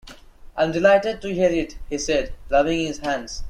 ‘I’m delighted to hear it,’ he said, rubbing his hands.